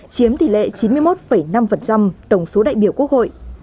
chiếm tỷ lệ chín mươi một năm tổng số đại biểu quốc hội